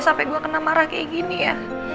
sampai gue kena marah kayak gini ya